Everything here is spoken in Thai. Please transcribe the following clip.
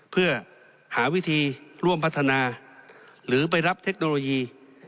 เพื่อหาวิธีร่วมพัฒนาหรือไปรับเทคโนโลยี